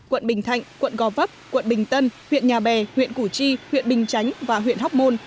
quận bình thạnh quận gò vấp quận bình tân huyện nhà bè huyện củ chi huyện bình chánh và huyện hóc môn